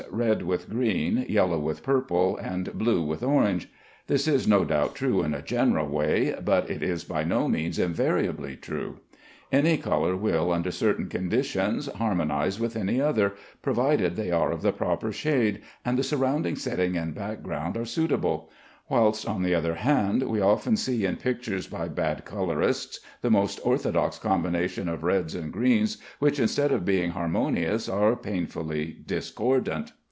red with green, yellow with purple, and blue with orange. This is no doubt true in a general way, but it is by no means invariably true. Any color will, under certain conditions, harmonize with any other, provided they are of the proper shade, and the surrounding setting and background are suitable; whilst, on the other hand, we often see in pictures by bad colorists the most orthodox combination of reds and greens, which, instead of being harmonious, are painfully discordant.